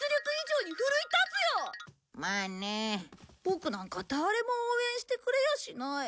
ボクなんか誰も応援してくれやしない。